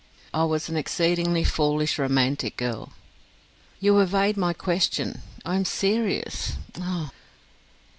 "I was an exceedingly foolish, romantic girl." "You evade my question: I am serious. Oh!"